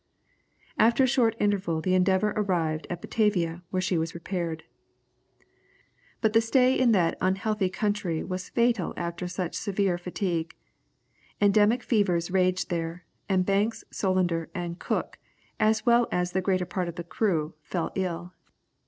After a short interval the Endeavour arrived at Batavia, where she was repaired. But the stay in that unhealthy country was fatal after such severe fatigue. Endemic fevers raged there; and Banks, Solander, and Cook, as well as the greater part of the crew, fell ill.